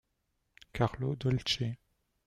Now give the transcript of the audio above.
Carlo Dolce.